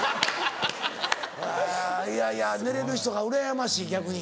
えぇいやいや寝れる人がうらやましい逆に。